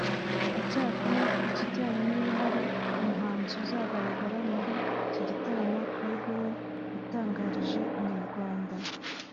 icyakora ku kijyanye niba hari umuhanzi uzagaragara muri iki gitaramo Kreb we yatangarije Inyarwanda